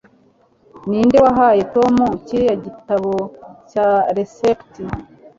ninde wahaye tom kiriya gitabo cya resept